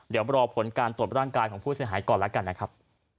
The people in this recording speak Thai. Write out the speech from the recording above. เดี๋ยวรอผลการตรวจร่างกายของผู้เสียหายก่อนแล้วกันนะครับ